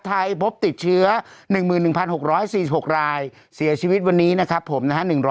พบติดเชื้อ๑๑๖๔๖รายเสียชีวิตวันนี้นะครับผมนะฮะ